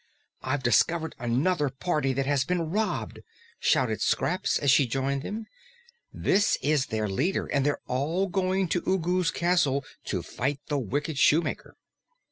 "I've discovered another party that has been robbed," shouted Scraps as she joined them. "This is their leader, and they're all going to Ugu's castle to fight the wicked Shoemaker!"